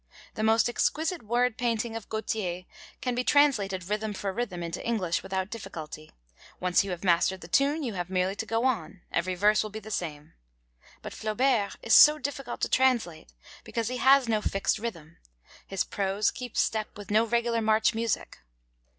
The most exquisite word painting of Gautier can be translated rhythm for rhythm into English, without difficulty; once you have mastered the tune, you have merely to go on; every verse will be the same. But Flaubert is so difficult to translate because he has no fixed rhythm; his prose keeps step with no regular march music.